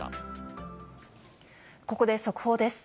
ここで速報です。